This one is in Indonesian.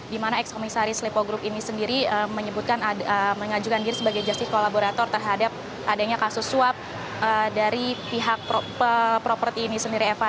di mana ex komisaris lipo group ini sendiri mengajukan diri sebagai justice kolaborator terhadap adanya kasus suap dari pihak properti ini sendiri eva